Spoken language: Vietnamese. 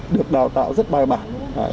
được đào tạo rất bài bản